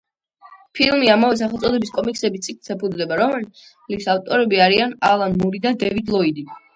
ფილმი ამავე სახელწოდების კომიქსების წიგნს ეფუძნება, რომლის ავტორები არიან ალან მური და დევიდ ლოიდი.